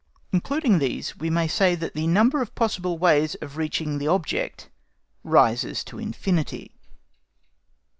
Including these, we may say that the number of possible ways of reaching the object rises to infinity.